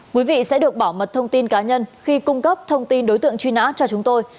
quý vị sẽ được bảo mật thông tin cá nhân khi cung cấp thông tin đối tượng truy nã cho chúng tôi